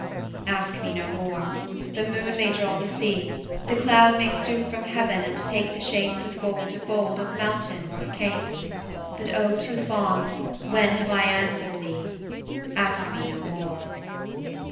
Ask me no more: the moon may draw the sea; The cloud may stoop from heaven and take the shape With fold to fold, of mountain or of cape; But O too fond, when have I answered thee? Ask me no more.